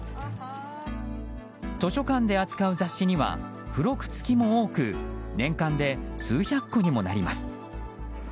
図書館で扱う雑誌には付録付きも多く年間で数百個にもなります。